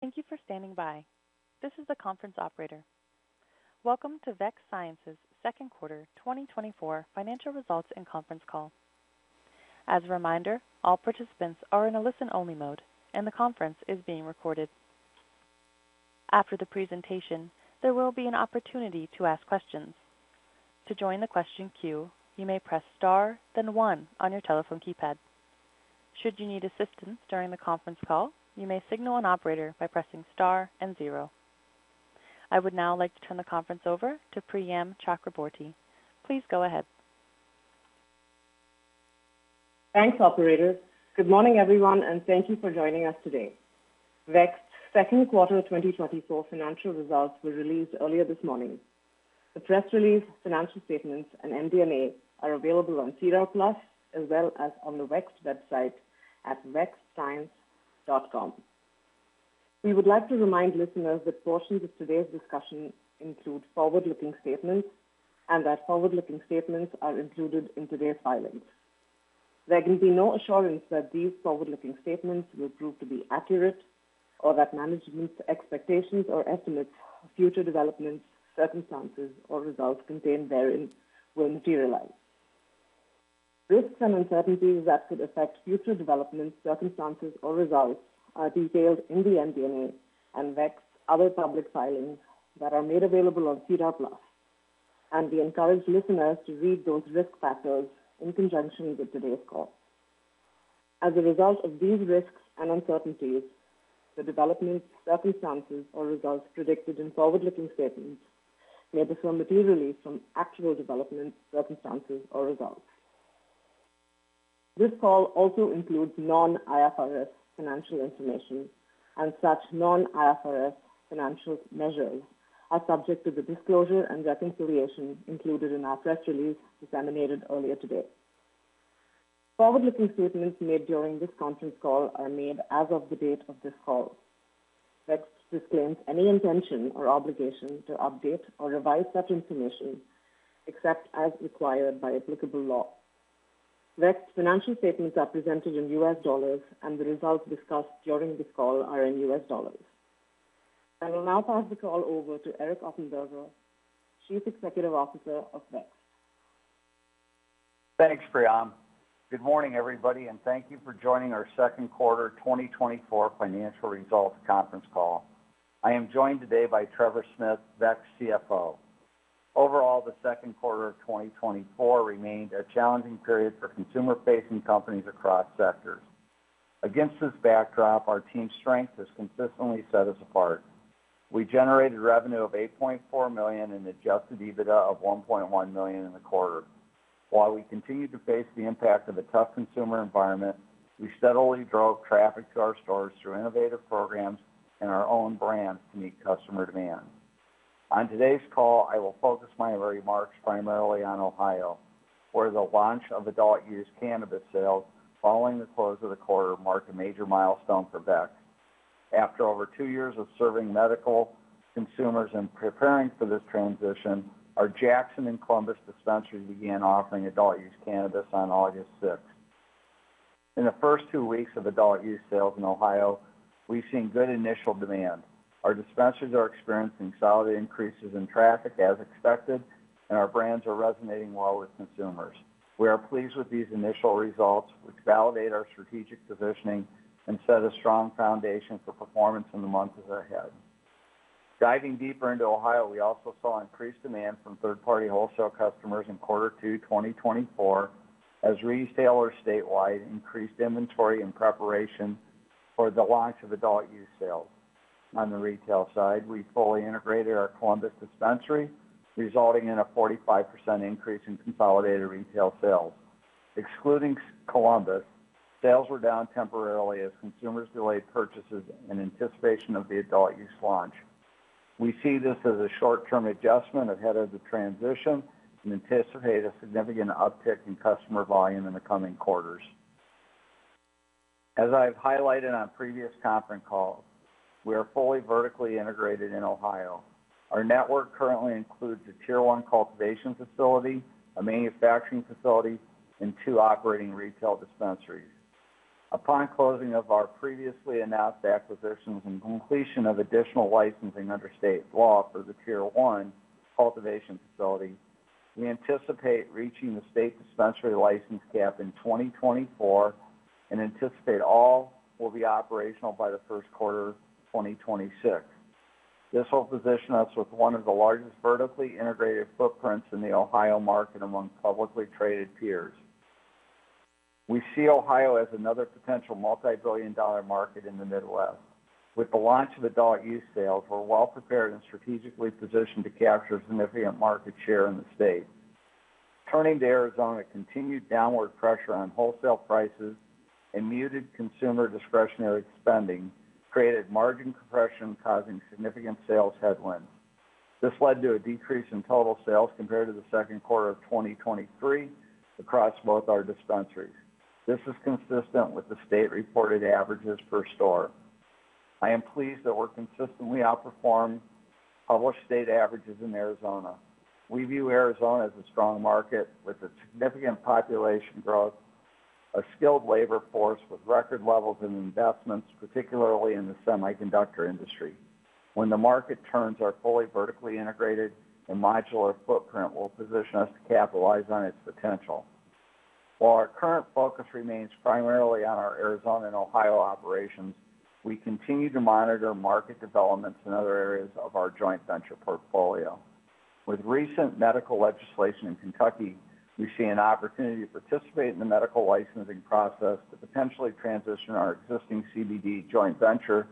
Thank you for standing by. This is the conference operator. Welcome to Vext Science Q2 2024 Financial Results and Conference Call. As a reminder, all participants are in a listen-only mode, and the conference is being recorded. After the presentation, there will be an opportunity to ask questions. To join the question queue, you may press Star, then one on your telephone keypad. Should you need assistance during the conference call, you may signal an operator by pressing Star and zero. I would now like to turn the conference over to Priyam Chakraborty. Please go ahead. Thanks, operator. Good morning, everyone, and thank you for joining us today. Vext Science Q2 2024 Financial Results were released earlier this morning. The press release, financial statements, and MD&A are available on SEDAR+ as well as on the Vext website at vextscience.com. We would like to remind listeners that portions of today's discussion include forward-looking statements and that forward-looking statements are included in today's filings. There can be no assurance that these forward-looking statements will prove to be accurate or that management's expectations or estimates of future developments, circumstances, or results contained therein will materialize. Risks and uncertainties that could affect future developments, circumstances, or results are detailed in the MD&A and Vext's other public filings that are made available on SEDAR+, and we encourage listeners to read those risk factors in conjunction with today's call. As a result of these risks and uncertainties, the developments, circumstances, or results predicted in forward-looking statements may differ materially from actual developments, circumstances, or results. This call also includes non-IFRS financial information, and such non-IFRS financial measures are subject to the disclosure and reconciliation included in our press release disseminated earlier today. Forward-looking statements made during this conference call are made as of the date of this call. Vext disclaims any intention or obligation to update or revise such information, except as required by applicable law. Vext's financial statements are presented in US dollars, and the results discussed during this call are in US dollars. I will now pass the call over to Eric Offenberger, Chief Executive Officer of Vext. Thanks, Priyam. Good morning, everybody, and thank you for joining our Q2 2024 Financial Results Conference Call. I am joined today by Trevor Smith, Vext CFO. Overall, the Q2 of 2024 remained a challenging period for consumer-facing companies across sectors. Against this backdrop, our team's strength has consistently set us apart. We generated revenue of $8.4 million and Adjusted EBITDA of $1.1 million in the quarter. While we continued to face the impact of a tough consumer environment, we steadily drove traffic to our stores through innovative programs and our own brands to meet customer demand. On today's call, I will focus my remarks primarily on Ohio, where the launch of adult-use cannabis sales following the close of the quarter mark a major milestone for Vext. After over two years of serving medical consumers and preparing for this transition, our Jackson and Columbus dispensaries began offering adult-use cannabis on August sixth. In the first two weeks of adult-use sales in Ohio, we've seen good initial demand. Our dispensaries are experiencing solid increases in traffic, as expected, and our brands are resonating well with consumers. We are pleased with these initial results, which validate our strategic positioning and set a strong foundation for performance in the months ahead. Diving deeper into Ohio, we also saw increased demand from third-party wholesale customers in quarter two 2024 as retailers statewide increased inventory in preparation for the launch of adult-use sales. On the retail side, we fully integrated our Columbus dispensary, resulting in a 45% increase in consolidated retail sales. Excluding Columbus, sales were down temporarily as consumers delayed purchases in anticipation of the adult-use launch. We see this as a short-term adjustment ahead of the transition and anticipate a significant uptick in customer volume in the coming quarters. As I've highlighted on previous conference calls, we are fully vertically integrated in Ohio. Our network currently includes a Tier One cultivation facility, a manufacturing facility, and two operating retail dispensaries. Upon closing of our previously announced acquisitions and completion of additional licensing under state law for the Tier One cultivation facility, we anticipate reaching the state dispensary license cap in 2024 and anticipate all will be operational by the Q1 2026. This will position us with one of the largest vertically integrated footprints in the Ohio market among publicly traded peers. We see Ohio as another potential multi-billion dollar market in the Midwest. With the launch of adult use sales, we're well prepared and strategically positioned to capture significant market share in the state. Turning to Arizona, continued downward pressure on wholesale prices and muted consumer discretionary spending created margin compression, causing significant sales headwinds. This led to a decrease in total sales compared to the Q2 of 2023 across both our dispensaries. This is consistent with the state-reported averages per store. I am pleased that we're consistently outperforming published state averages in Arizona. We view Arizona as a strong market with a significant population growth, a skilled labor force with record levels and investments, particularly in the semiconductor industry. When the market turns, our fully vertically integrated, modular footprint will position us to capitalize on its potential. While our current focus remains primarily on our Arizona and Ohio operations, we continue to monitor market developments in other areas of our joint venture portfolio. With recent medical legislation in Kentucky, we see an opportunity to participate in the medical licensing process to potentially transition our existing CBD joint venture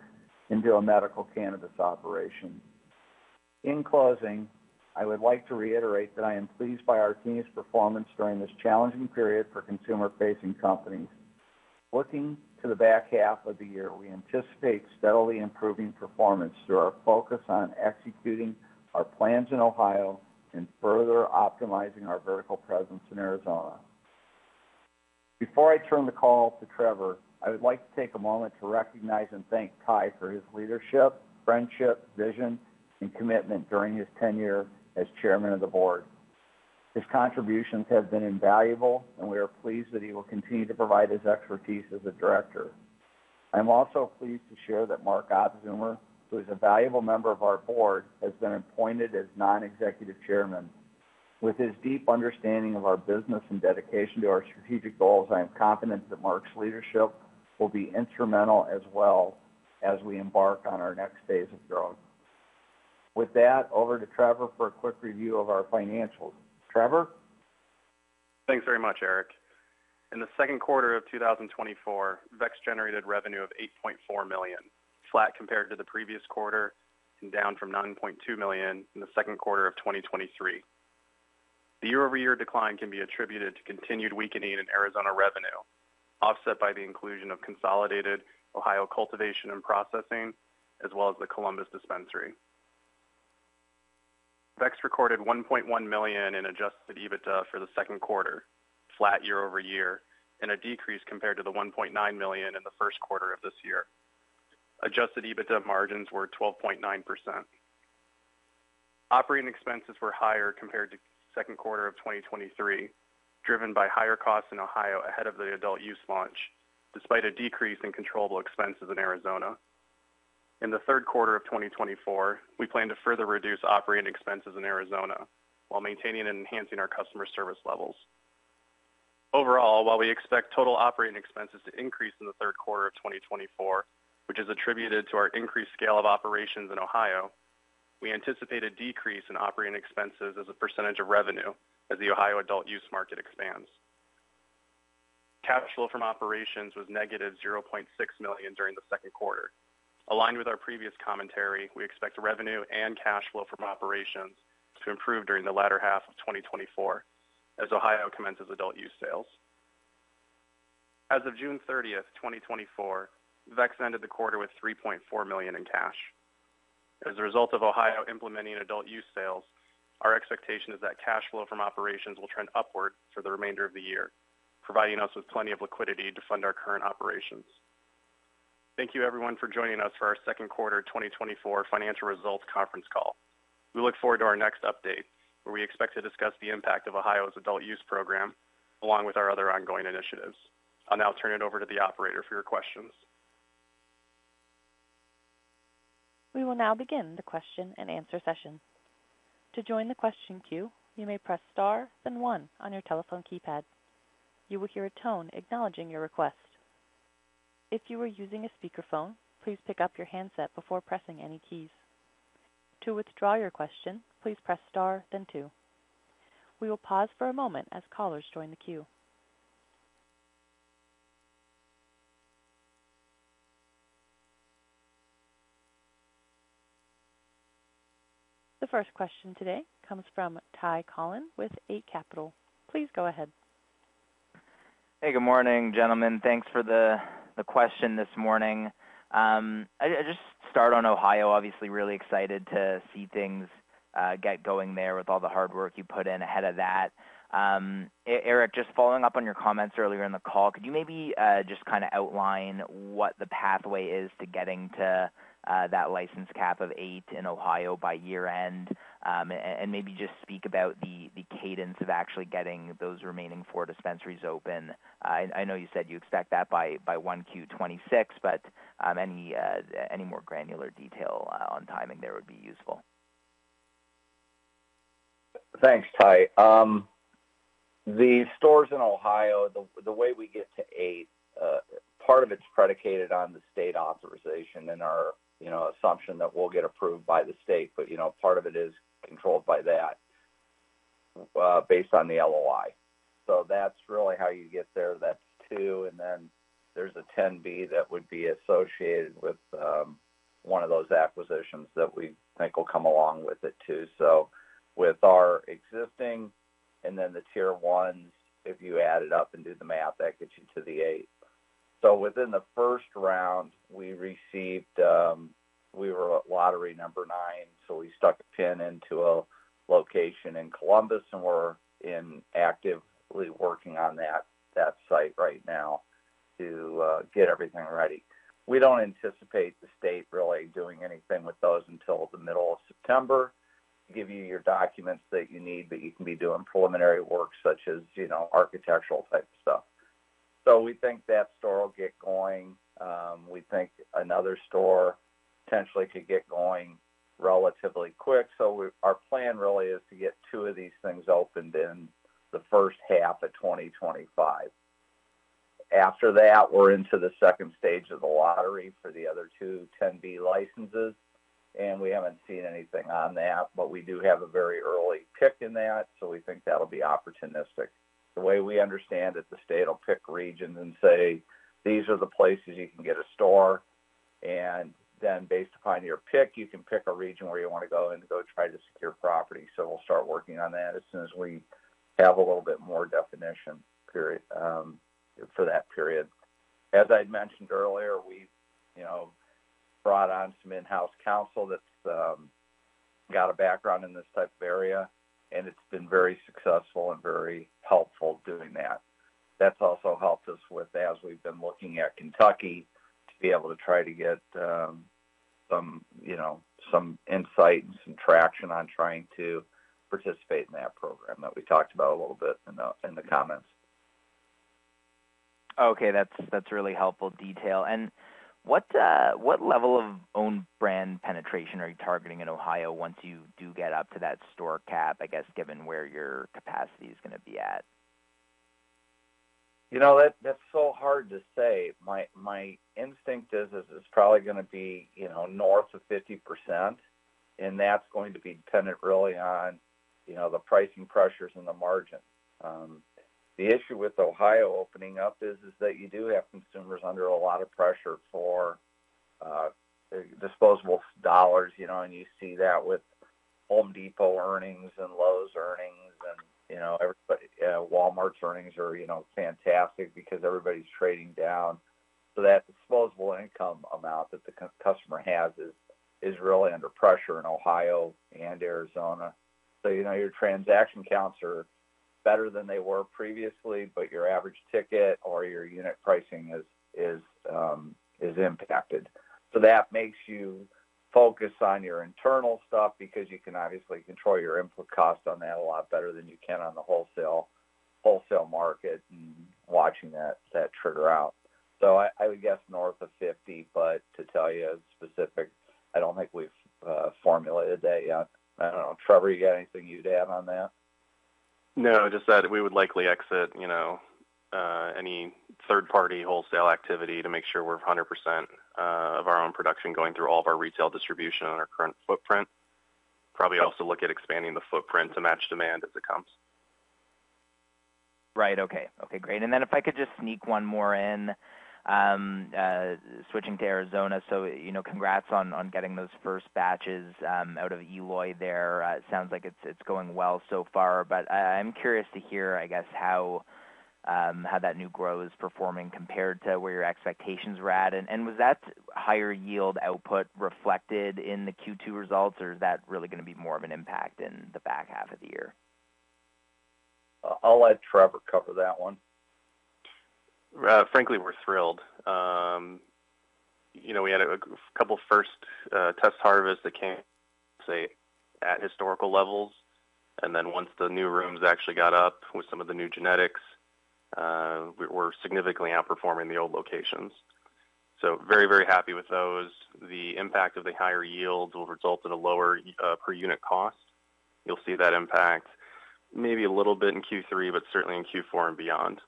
into a medical cannabis operation. In closing, I would like to reiterate that I am pleased by our team's performance during this challenging period for consumer-facing companies. Looking to the back half of the year, we anticipate steadily improving performance through our focus on executing our plans in Ohio and further optimizing our vertical presence in Arizona. Before I turn the call to Trevor, I would like to take a moment to recognize and thank Thai for his leadership, friendship, vision, and commitment during his tenure as chairman of the board. His contributions have been invaluable, and we are pleased that he will continue to provide his expertise as a director. I'm also pleased to share that Mark Opzoomer, who is a valuable member of our board, has been appointed as Non-Executive Chairman. With his deep understanding of our business and dedication to our strategic goals, I am confident that Mark's leadership will be instrumental as well as we embark on our next phase of growth. With that, over to Trevor for a quick review of our financials. Trevor? Thanks very much, Eric. In the Q2 of 2024, Vext generated revenue of $8.4 million, flat compared to the previous quarter and down from $9.2 million in the Q2 of 2023. The year-over-year decline can be attributed to continued weakening in Arizona revenue, offset by the inclusion of consolidated Ohio cultivation and processing, as well as the Columbus dispensary. Vext recorded $1.1 million in adjusted EBITDA for the Q2, flat year over year, and a decrease compared to the $1.9 million in the Q1 of this year. Adjusted EBITDA margins were 12.9%. Operating expenses were higher compared to Q2 of 2023, driven by higher costs in Ohio ahead of the adult-use launch, despite a decrease in controllable expenses in Arizona. In the Q3 of 2024, we plan to further reduce operating expenses in Arizona while maintaining and enhancing our customer service levels. Overall, while we expect total operating expenses to increase in the Q3 of 2024, which is attributed to our increased scale of operations in Ohio, we anticipate a decrease in operating expenses as a percentage of revenue as the Ohio adult use market expands. Cash flow from operations was -$0.6 million during the Q2. Aligned with our previous commentary, we expect revenue and cash flow from operations to improve during the latter half of 2024 as Ohio commences adult use sales. As of June thirtieth, 2024, Vext ended the quarter with $3.4 million in cash. As a result of Ohio implementing adult-use sales, our expectation is that cash flow from operations will trend upward for the remainder of the year, providing us with plenty of liquidity to fund our current operations. Thank you everyone, for joining us for our Q2 2024 financial results conference call. We look forward to our next update, where we expect to discuss the impact of Ohio's adult-use program, along with our other ongoing initiatives. I'll now turn it over to the operator for your questions. We will now begin the question-and-answer session. To join the question queue, you may press Star, then one on your telephone keypad. You will hear a tone acknowledging your request. If you are using a speakerphone, please pick up your handset before pressing any keys. To withdraw your question, please press Star, then two. We will pause for a moment as callers join the queue. The first question today comes from Ty Collin with Eight Capital. Please go ahead. Hey, good morning, gentlemen. Thanks for the question this morning. I just start on Ohio. Obviously, really excited to see things get going there with all the hard work you put in ahead of that. Eric, just following up on your comments earlier in the call, could you maybe just kinda outline what the pathway is to getting to that license cap of eight in Ohio by year-end? And maybe just speak about the cadence of actually getting those remaining four dispensaries open. I know you said you expect that by Q1 2026, but any more granular detail on timing there would be useful. Thanks, Ty. The stores in Ohio, the way we get to eight, part of it's predicated on the state authorization and our, you know, assumption that we'll get approved by the state, but, you know, part of it is controlled by that, based on the LOI. So that's really how you get there. That's two, and then there's a 10-B that would be associated with one of those acquisitions that we think will come along with it, too. So with our existing and then the Tier Ones, if you add it up and do the math, that gets you to the eight. So within the first round, we received, we were at lottery number nine, so we stuck a pin into a location in Columbus, and we're actively working on that site right now to get everything ready. We don't anticipate the state really doing anything with those until the middle of September, give you your documents that you need, but you can be doing preliminary work, such as, you know, architectural type stuff. So we think that store will get going. We think another store potentially could get going relatively quick. So our plan really is to get two of these things opened in the first half of 2025. After that, we're into the second stage of the lottery for the other two 10-B licenses, and we haven't seen anything on that, but we do have a very early pick in that, so we think that'll be opportunistic. The way we understand it, the state will pick regions and say, "These are the places you can get a store." And then based upon your pick, you can pick a region where you want to go in and go try to secure property. So we'll start working on that as soon as we have a little bit more definition period for that period. As I'd mentioned earlier, we've, you know, brought on some in-house counsel that's got a background in this type of area, and it's been very successful and very helpful doing that. That's also helped us with, as we've been looking at Kentucky, to be able to try to get some, you know, some insight and some traction on trying to participate in that program that we talked about a little bit in the comments. Okay, that's really helpful detail. And what level of own brand penetration are you targeting in Ohio once you do get up to that store cap? I guess, given where your capacity is gonna be at. You know, that's so hard to say. My instinct is it's probably gonna be, you know, north of 50%, and that's going to be dependent really on, you know, the pricing pressures and the margin. The issue with Ohio opening up is that you do have consumers under a lot of pressure for disposable dollars, you know, and you see that with Home Depot earnings and Lowe's earnings, and, you know, everybody, Walmart's earnings are, you know, fantastic because everybody's trading down. So that disposable income amount that the customer has is really under pressure in Ohio and Arizona. So, you know, your transaction counts are better than they were previously, but your average ticket or your unit pricing is impacted. So that makes you focus on your internal stuff because you can obviously control your input cost on that a lot better than you can on the wholesale, wholesale market and watching that, that trigger out. So I, I would guess north of fifty, but to tell you a specific, I don't think we've formulated that yet. I don't know. Trevor, you got anything you'd add on that? No, just that we would likely exit, you know, any third-party wholesale activity to make sure we're 100% of our own production going through all of our retail distribution on our current footprint. Probably also look at expanding the footprint to match demand as it comes. Right. Okay, great. And then if I could just sneak one more in, switching to Arizona. So, you know, congrats on getting those first batches out of Eloy there. It sounds like it's going well so far, but I'm curious to hear, I guess, how that new growth is performing compared to where your expectations were at. And was that higher yield output reflected in the Q2 results, or is that really gonna be more of an impact in the back half of the year? I'll let Trevor cover that one. Frankly, we're thrilled. You know, we had a couple first test harvests that came, say, at historical levels, and then once the new rooms actually got up with some of the new genetics, we're significantly outperforming the old locations. So very, very happy with those. The impact of the higher yields will result in a lower per unit cost. You'll see that impact maybe a little bit in Q3, but certainly in Q4 and beyond.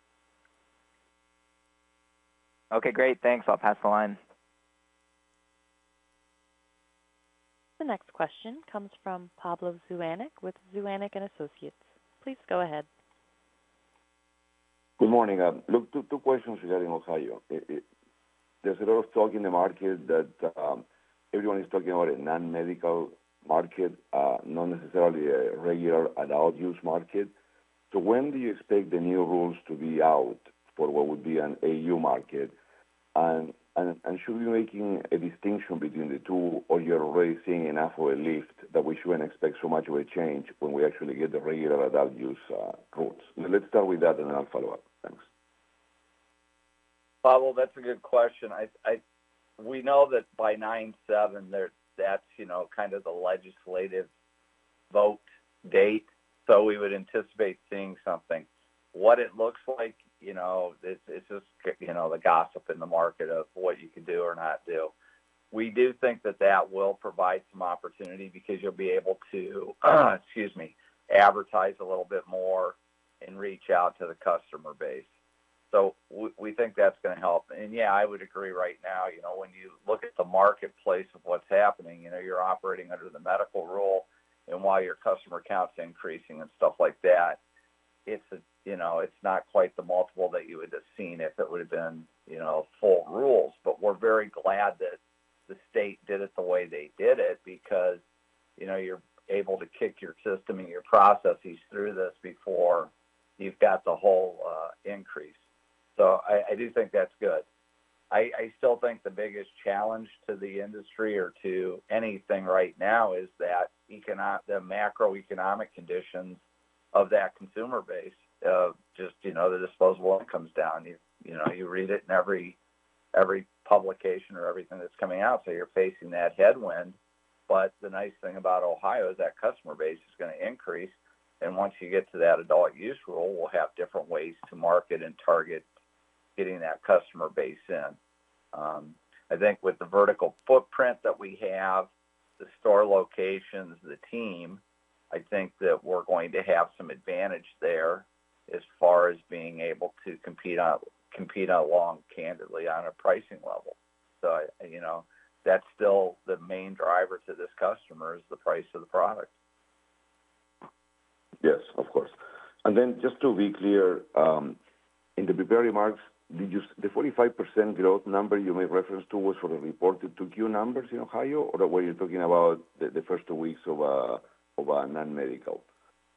Okay, great. Thanks. I'll pass the line. The next question comes from Pablo Zuanic with Zuanic and Associates. Please go ahead. Good morning. Look, two questions regarding Ohio. It-- there's a lot of talk in the market that everyone is talking about a non-medical market, not necessarily a regular adult-use market. So when do you expect the new rules to be out for what would be an AU market? And should we be making a distinction between the two, or you're already seeing enough for a lift that we shouldn't expect so much of a change when we actually get the regular adult use rules? Let's start with that, and then I'll follow up. Thanks. Pablo, that's a good question. We know that by nine-seven, that's you know kind of the legislative vote date, so we would anticipate seeing something. What it looks like, you know, it's just you know the gossip in the market of what you can do or not do. We do think that that will provide some opportunity because you'll be able to, excuse me, advertise a little bit more and reach out to the customer base. So we think that's gonna help. And yeah, I would agree right now, you know, when you look at the marketplace of what's happening, you know, you're operating under the medical rule, and while your customer count is increasing and stuff like that, it's you know it's not quite the multiple that you would have seen if it would have been you know full rules. But we're very glad that the state did it the way they did it, because, you know, you're able to kick your system and your processes through this before you've got the whole, increase. So I do think that's good. I still think the biggest challenge to the industry or to anything right now is that economic, the macroeconomic conditions of that consumer base, of just, you know, the disposable income comes down. You know, you read it in every publication or everything that's coming out, so you're facing that headwind. But the nice thing about Ohio is that customer base is gonna increase, and once you get to that adult use rule, we'll have different ways to market and target getting that customer base in. I think with the vertical footprint that we have, the store locations, the team, I think that we're going to have some advantage there as far as being able to compete on, compete outright candidly on a pricing level. So, you know, that's still the main driver to this customer, is the price of the product. Yes, of course. And then just to be clear, in the prepared remarks, did you... The 45% growth number you made reference to was for the reported Q2 numbers in Ohio, or were you talking about the first two weeks of non-medical?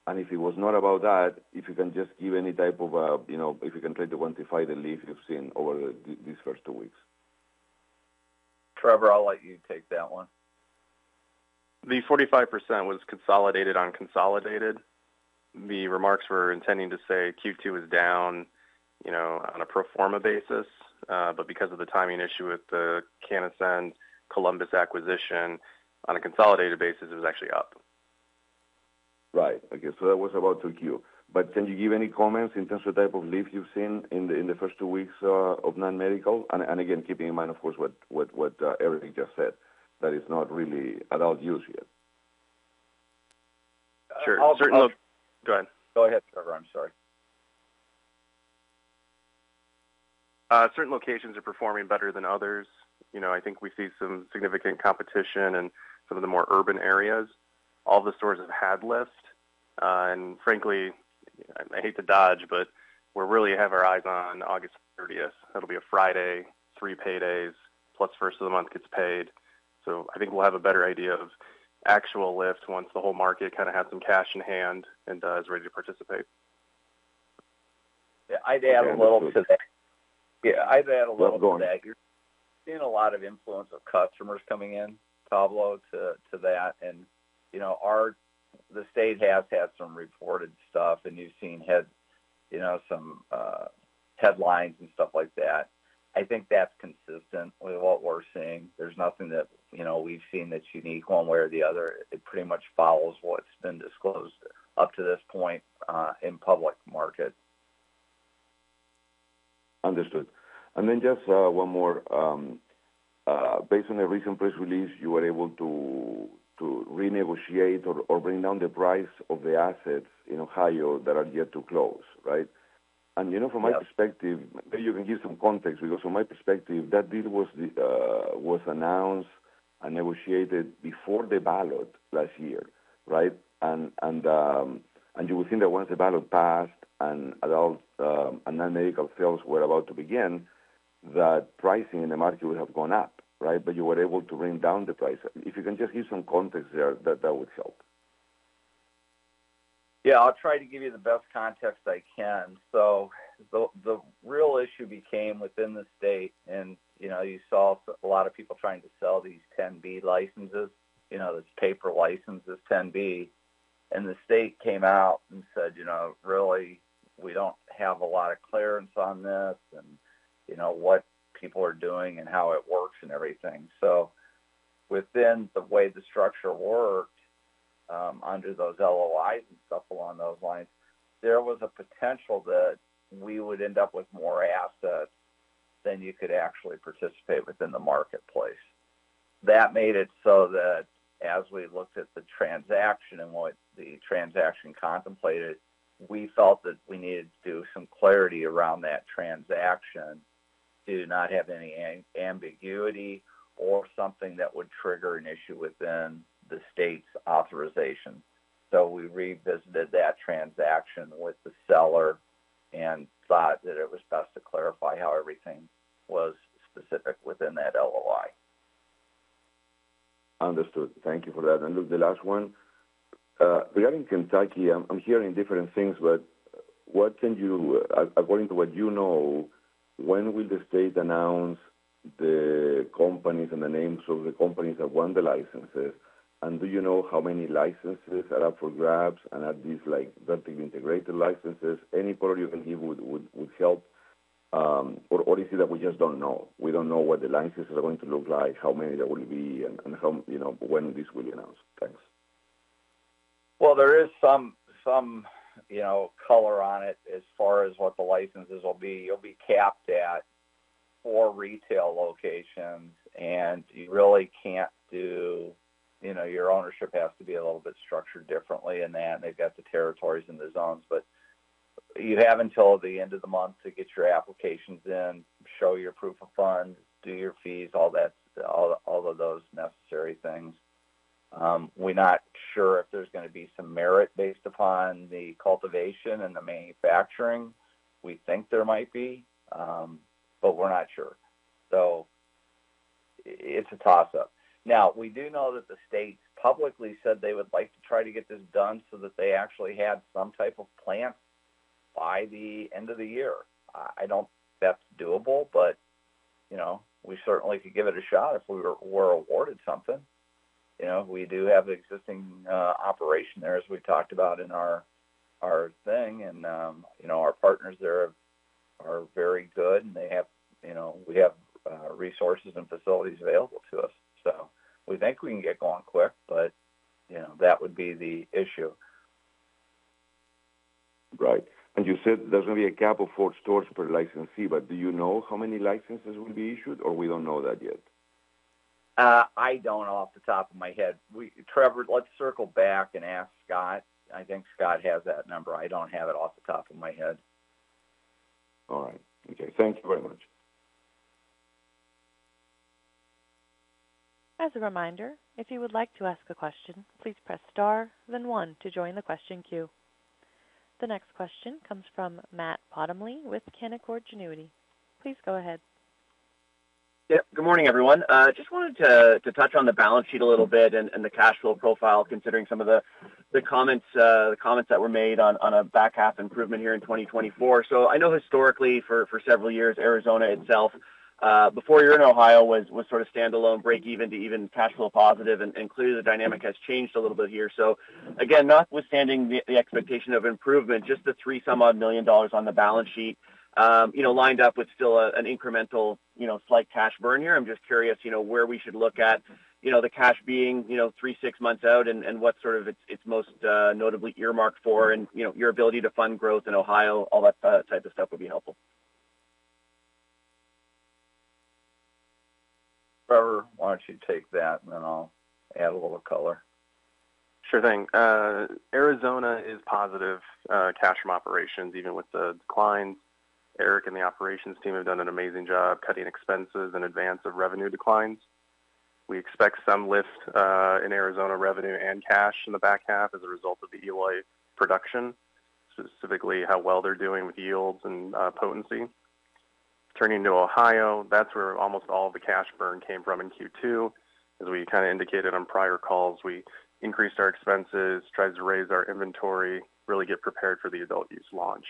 And if it was not about that, if you can just give any type of, you know, if you can try to quantify the lift you've seen over these first two weeks. Trevor, I'll let you take that one. The 45% was consolidated, unconsolidated. The remarks were intending to say Q2 is down, you know, on a pro forma basis. But because of the timing issue with the CannAscend Columbus acquisition, on a consolidated basis, it was actually up. Right. Okay, so that was about Q2. But can you give any comments in terms of the type of lift you've seen in the first two weeks of non-medical? And again, keeping in mind, of course, what Eric just said, that it's not really adult-use yet. Sure. Go ahead. Go ahead, Trevor. I'm sorry. Certain locations are performing better than others. You know, I think we see some significant competition in some of the more urban areas. All the stores have had lift, and frankly, I hate to dodge, but we really have our eyes on August thirtieth. That'll be a Friday, three paydays, plus first of the month gets paid. So I think we'll have a better idea of actual lift once the whole market kind of has some cash in hand and is ready to participate. Yeah, I'd add a little to that. Go on. Seeing a lot of influence of customers coming in, Pablo, to that. And, you know, our... The state has had some reported stuff, and you've seen, you know, some headlines and stuff like that. I think that's consistent with what we're seeing. There's nothing that, you know, we've seen that's unique one way or the other. It pretty much follows what's been disclosed up to this point in public market. Understood. And then just one more based on the recent press release, you were able to renegotiate or bring down the price of the assets in Ohio that are yet to close, right? Yes. You know, from my perspective, maybe you can give some context, because from my perspective, that deal was announced and negotiated before the ballot last year, right? And you would think that once the ballot passed and adult and non-medical sales were about to begin, that pricing in the market would have gone up, right? But you were able to bring down the price. If you can just give some context there, that would help. Yeah, I'll try to give you the best context I can. So the real issue became within the state, and, you know, you saw a lot of people trying to sell these 10-B licenses, you know, those paper licenses, 10-B. And the state came out and said, "You know, really, we don't have a lot of clarity on this, and, you know, what people are doing and how it works and everything." So within the way the structure worked, under those LOIs and stuff along those lines, there was a potential that we would end up with more assets than you could actually participate within the marketplace. That made it so that as we looked at the transaction and what the transaction contemplated, we felt that we needed to do some clarity around that transaction to not have any ambiguity or something that would trigger an issue within the state's authorization. So we revisited that transaction with the seller and thought that it was best to clarify how everything was specific within that LOI. Understood. Thank you for that. And look, the last one, regarding Kentucky, I'm hearing different things, but what can you according to what you know, when will the state announce the companies and the names of the companies that won the licenses? And do you know how many licenses are up for grabs, and are these, like, vertically integrated licenses? Any clarity you can give would help. Or is it that we just don't know? We don't know what the licenses are going to look like, how many there will be, and how, you know, when this will be announced. Thanks. There is some, you know, color on it as far as what the licenses will be. You'll be capped at four retail locations, and you really can't do. You know, your ownership has to be a little bit structured differently in that, and they've got the territories and the zones. But you have until the end of the month to get your applications in, show your proof of funds, do your fees, all that, all of those necessary things. We're not sure if there's gonna be some merit based upon the cultivation and the manufacturing. We think there might be, but we're not sure. It's a toss-up. Now, we do know that the states publicly said they would like to try to get this done so that they actually had some type of plan by the end of the year. I don't think that's doable, but, you know, we certainly could give it a shot if we were awarded something. You know, we do have the existing operation there, as we talked about in our thing. You know, our partners there are very good, and they have you know, we have resources and facilities available to us. So we think we can get going quick, but, you know, that would be the issue. Right. And you said there's going to be a cap of four stores per licensee, but do you know how many licenses will be issued, or we don't know that yet? Trevor, let's circle back and ask Scott. I think Scott has that number. I don't have it off the top of my head. All right. Okay. Thank you very much. As a reminder, if you would like to ask a question, please press Star, then one to join the question queue. The next question comes from Matt Bottomley with Canaccord Genuity. Please go ahead. Yeah. Good morning, everyone. Just wanted to touch on the balance sheet a little bit and the cash flow profile, considering some of the comments that were made on a back half improvement here in 2024. So I know historically, for several years, Arizona itself, before you were in Ohio, was sort of standalone, break even to even cash flow positive, and clearly, the dynamic has changed a little bit here. So again, notwithstanding the expectation of improvement, just the $3-some-odd million on the balance sheet, you know, lined up with still an incremental, you know, slight cash burn here. I'm just curious, you know, where we should look at, you know, the cash being, you know, three, six months out, and what sort of it's most notably earmarked for, and, you know, your ability to fund growth in Ohio, all that type of stuff would be helpful. Trevor, why don't you take that, and then I'll add a little color. Sure thing. Arizona is positive cash from operations, even with the decline. Eric and the operations team have done an amazing job cutting expenses in advance of revenue declines. We expect some lift in Arizona revenue and cash in the back half as a result of the Eloy production, specifically how well they're doing with yields and potency. Turning to Ohio, that's where almost all the cash burn came from in Q2. As we kind of indicated on prior calls, we increased our expenses, tried to raise our inventory, really get prepared for the adult use launch.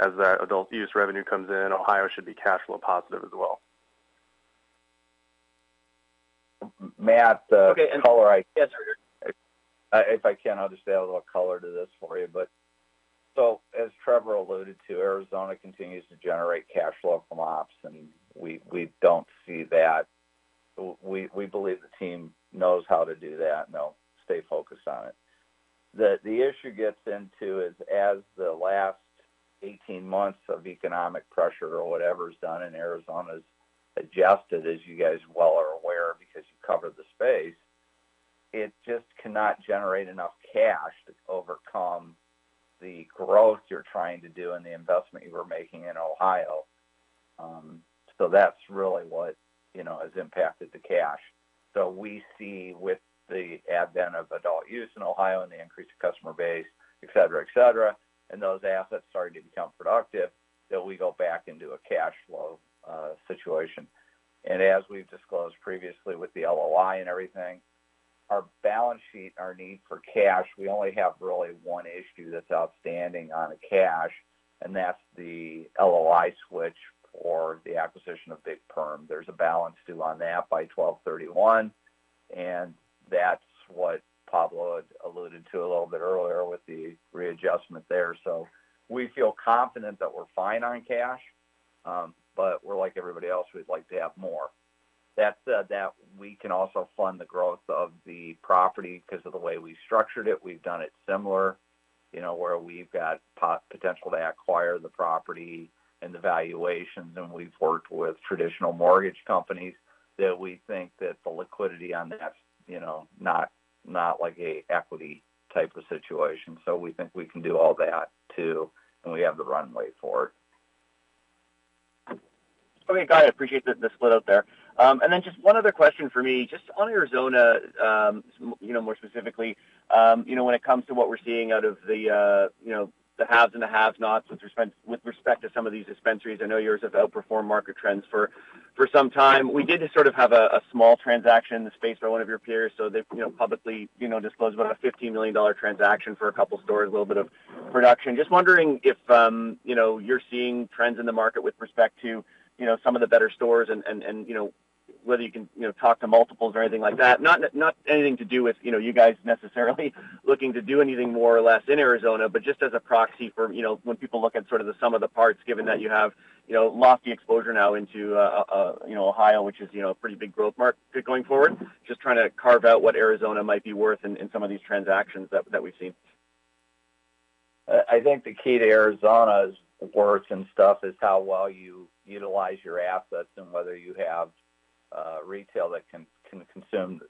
As that adult use revenue comes in, Ohio should be cash flow positive as well. If I can just add a little color to this for you. But, so as Trevor alluded to, Arizona continues to generate cash flow from ops, and we don't see that. We believe the team knows how to do that, and they'll stay focused on it. The issue gets into is, as the last 18 months of economic pressure or whatever is done in Arizona is adjusted, as you guys well are aware, because you cover the space, it just cannot generate enough cash to overcome the growth you're trying to do and the investment you were making in Ohio. So that's really what, you know, has impacted the cash. We see with the advent of adult use in Ohio and the increase in customer base, et cetera, et cetera, and those assets starting to become productive, that we go back into a cash flow situation. As we've disclosed previously with the LOI and everything, our balance sheet, our need for cash, we only have really one issue that's outstanding on the cash, and that's the LOI switch for the acquisition of Big Perm. There's a balance due on that by twelve thirty-one, and that's what Pablo had alluded to a little bit earlier with the readjustment there. We feel confident that we're fine on cash, but we're like everybody else, we'd like to have more. That said, that we can also fund the growth of the property because of the way we structured it. We've done it similar, you know, where we've got potential to acquire the property and the valuations, and we've worked with traditional mortgage companies, that we think that the liquidity on that, you know, not like an equity type of situation. So we think we can do all that too, and we have the runway for it. Okay, got it. I appreciate the split out there. And then just one other question for me, just on Arizona, you know, more specifically, you know, when it comes to what we're seeing out of the, you know, the haves and the have-nots, with respect, with respect to some of these dispensaries, I know yours have outperformed market trends for some time. We did sort of have a small transaction in the space by one of your peers. So they, you know, publicly, you know, disclosed about a $50 million transaction for a couple stores, a little bit of production. Just wondering if, you know, you're seeing trends in the market with respect to, you know, some of the better stores and, you know, whether you can, you know, talk to multiples or anything like that? Not anything to do with, you know, you guys necessarily looking to do anything more or less in Arizona, but just as a proxy for, you know, when people look at sort of the sum of the parts, given that you have, you know, lofty exposure now into, you know, Ohio, which is, you know, a pretty big growth market going forward. Just trying to carve out what Arizona might be worth in some of these transactions that we've seen. I think the key to Arizona's worth and stuff is how well you utilize your assets and whether you have retail that can consume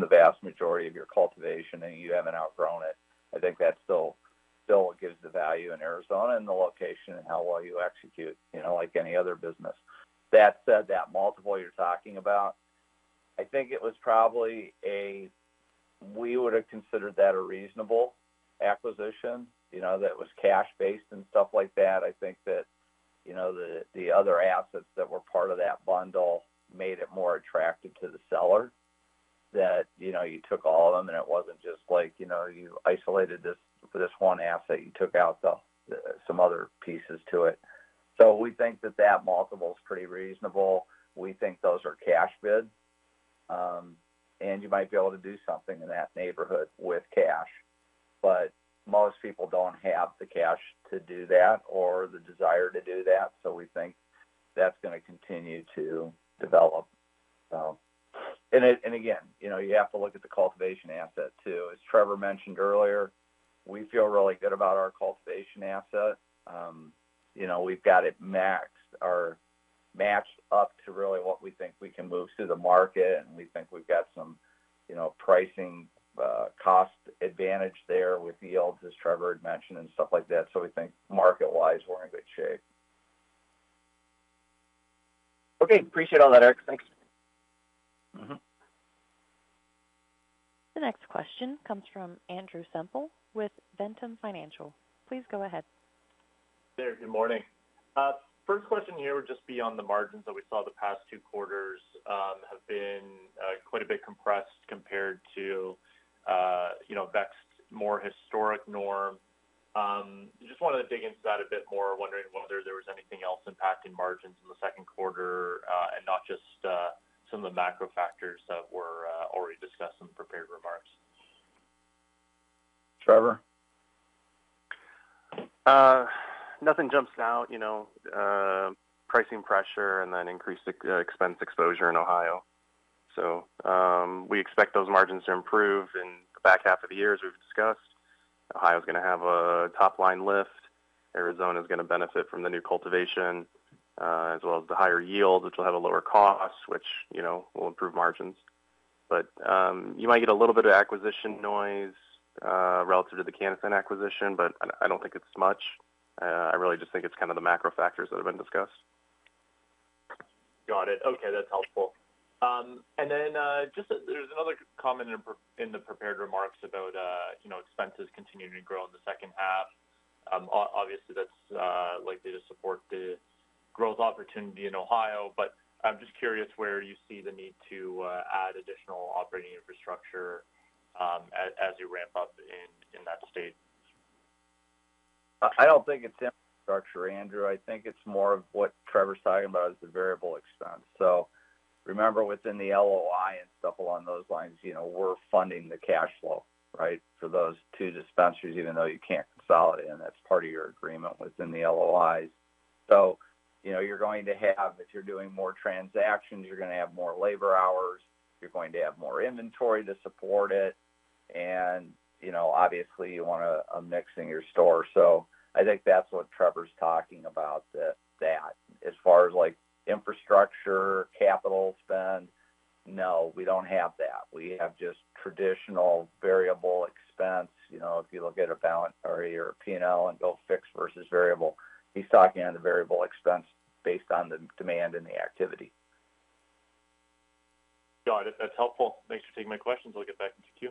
the vast majority of your cultivation, and you haven't outgrown it. I think that's still what gives the value in Arizona and the location and how well you execute, you know, like any other business. That said, that multiple you're talking about, I think it was probably. We would have considered that a reasonable acquisition, you know, that was cash-based and stuff like that. I think that, you know, the other assets that were part of that bundle made it more attractive to the seller, that, you know, you took all of them, and it wasn't just like, you know, you isolated this one asset, you took out the some other pieces to it. So we think that that multiple is pretty reasonable. We think those are cash bids, and you might be able to do something in that neighborhood with cash. But most people don't have the cash to do that or the desire to do that, so we think that's gonna continue to develop. And again, you know, you have to look at the cultivation asset, too. As Trevor mentioned earlier, we feel really good about our cultivation asset. You know, we've got it maxed or matched up to really what we think we can move through the market, and we think we've got some, you know, pricing, cost advantage there with yields, as Trevor had mentioned, and stuff like that. So we think market-wise, we're in good shape. Okay, appreciate all that, Eric. Thanks. The next question comes from Andrew Semple with Ventum Financial. Please go ahead. Good morning. First question here would just be on the margins that we saw the past two quarters have been quite a bit compressed compared to you know Vext's more historic norm. Just wanted to dig into that a bit more, wondering whether there was anything else impacting margins in the Q2 and not just some of the macro factors that were already discussed in the prepared remarks. Trevor? Nothing jumps out, you know, pricing pressure and then increased expense exposure in Ohio. So, we expect those margins to improve in the back half of the year, as we've discussed. Ohio is gonna have a top-line lift. Arizona is gonna benefit from the new cultivation, as well as the higher yield, which will have a lower cost, which, you know, will improve margins. But, you might get a little bit of acquisition noise, relative to the CannAscend acquisition, but I don't think it's much. I really just think it's kind of the macro factors that have been discussed. Got it. Okay, that's helpful. And then just there's another comment in the prepared remarks about, you know, expenses continuing to grow in the second half. Obviously, that's likely to support the growth opportunity in Ohio, but I'm just curious where you see the need to add additional operating infrastructure, as you ramp up in that state? I, I don't think it's infrastructure, Andrew. I think it's more of what Trevor's talking about is the variable expense. So remember, within the LOI and stuff along those lines, you know, we're funding the cash flow, right? For those two dispensaries, even though you can't consolidate, and that's part of your agreement within the LOIs. So, you know, you're going to have... If you're doing more transactions, you're gonna have more labor hours, you're going to have more inventory to support it, and, you know, obviously, you want to remixing your store. So I think that's what Trevor's talking about, that, that. As far as, like, infrastructure, capital spend, no, we don't have that. We have just traditional variable expense. You know, if you look at a balance or your P&L and go fixed versus variable, he's talking on the variable expense based on the demand and the activity. Got it. That's helpful. Thanks for taking my questions. I'll get back into queue.